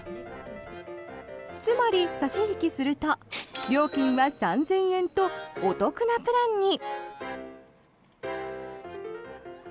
つまり、差し引きすると料金は３０００円とお得なプランに。